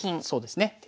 そうですね。